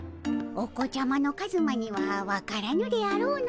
お子ちゃまのカズマには分からぬであろうの。